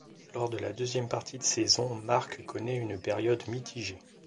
Lors de la deuxième partie de saison, Marc connaît une période mitigée.